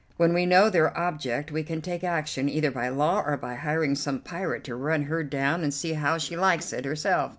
When we know their object we can take action, either by law, or by hiring some pirate to run her down and see how she likes it herself.